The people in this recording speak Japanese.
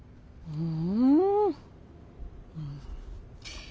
うん。